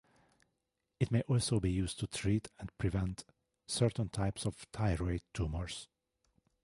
It may also be used to treat and prevent certain types of thyroid tumors.